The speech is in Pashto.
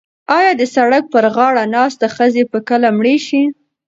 ایا د سړک پر غاړه ناسته ښځه به کله مړه شي؟